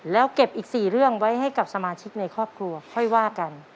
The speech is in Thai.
แล้วเก็บอีก๔เรื่องไว้ให้กับสมาชิกในครอบครัวค่อยว่ากัน